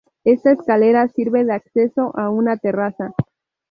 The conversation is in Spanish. Esta escalera sirve de acceso a una terraza.